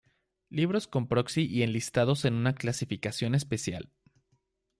Libros con proxy y enlistados en una clasificación especial.